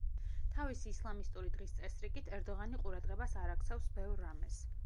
თავისი ისლამისტური დღის წესრიგით, ერდოღანი ყურადღებას არ აქცევს ბევრ რამეს.